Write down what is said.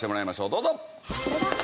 どうぞ。